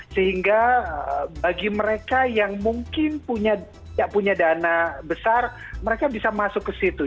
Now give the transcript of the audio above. sehingga bagi mereka yang mungkin tidak punya dana besar mereka bisa masuk ke situ